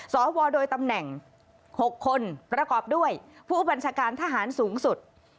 สวโดยตำแหน่ง๖คนประกอบด้วยผู้บัญชาการทหารสูงสุด